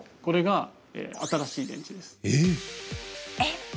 これが新しい電池です。